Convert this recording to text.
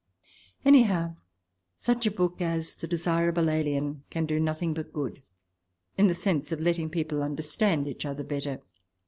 ... Anyhow, such a book as " The Desirable Alien " can do nothing but good in the sense of letting people understand each other better.